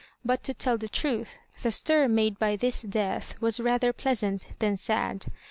Bat, to tell the truth, the stir made by this death was raiher pleasant than sad.